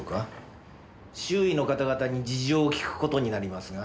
周囲の方々に事情を聞く事になりますが。